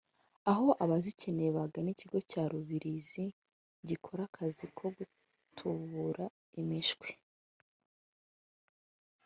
aho abazikeneye bagana ikigo cya Rubirizi gikora akazi ko gutubura imishwi